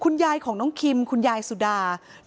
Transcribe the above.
คุณยายบอกว่ารู้สึกเหมือนใครมายืนอยู่ข้างหลัง